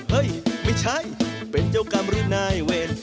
เฮ้ยไม่ใช่เป็นเจ้ากรรมหรือนายเวร